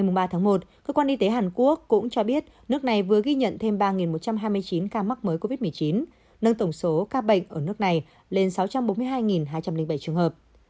ngày ba một cơ quan y tế hàn quốc cũng cho biết nước này vừa ghi nhận thêm ba một trăm hai mươi chín ca mắc mới covid một mươi chín nâng tổng số ca bệnh ở nước này lên sáu trăm bốn mươi hai hai trăm linh bảy trường hợp